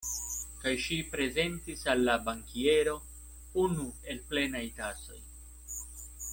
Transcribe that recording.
Kaj ŝi prezentis al la bankiero unu el plenaj tasoj.